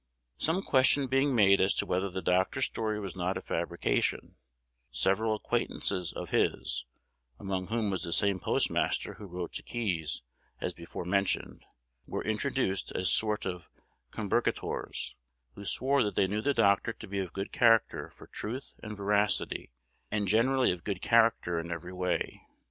Some question being made as to whether the doctor's story was not a fabrication, several acquaintances of his (among whom was the same postmaster who wrote to Keys, as before mentioned) were introduced as sort of compurgators, who swore that they knew the doctor to be of good character for truth and veracity, and generally of good character in every way.